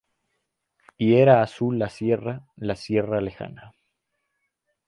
Y era azul la sierra, la sierra lejana.